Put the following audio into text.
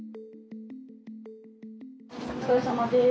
お疲れさまです。